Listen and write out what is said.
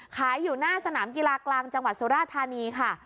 อยู่หน้าสนามกีฬากลางจังหวัดสุราธานีค่ะ